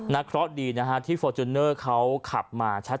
นะเพราะดีนะฮะที่ฟอร์จุนเนอร์เขาขับมาช้า